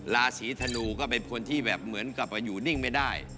ราศีธนูก็เป็นคนที่แบบเหมือนกลับมาอยู่นิ่งไม่ได้